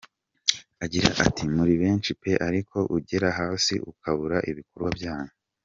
Agira ati “Muri benshi pe ariko ugera hasi ukabura ibikorwa byanyu.